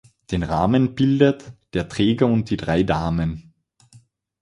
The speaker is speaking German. Den Rahmen bildet "Der Träger und die drei Damen".